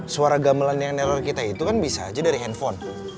suara gamelan yang neller kita itu kan bisa aja dari handphone